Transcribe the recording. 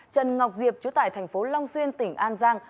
trần ngọc diệp chú tại thành phố long xuyên tỉnh an giang